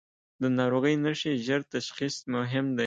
د ناروغۍ نښې ژر تشخیص مهم دي.